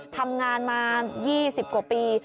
ทำงานมา๒๐กว่าปี